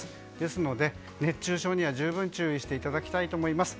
ですので熱中症には十分注意していただきたいと思います。